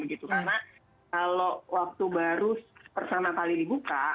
karena kalau waktu baru pertama kali dibuka